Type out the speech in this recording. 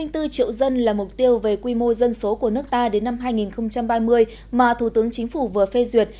một trăm bốn triệu dân là mục tiêu về quy mô dân số của nước ta đến năm hai nghìn ba mươi mà thủ tướng chính phủ vừa phê duyệt